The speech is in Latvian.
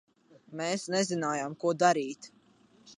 Mēs nezinājām, ko darīt.